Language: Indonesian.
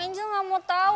angel gak mau tahu